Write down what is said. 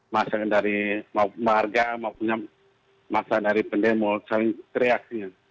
masa dari warga maupunnya masa dari pendemo saling teriak